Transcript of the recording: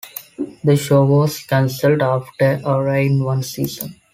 The show was canceled after airing one season.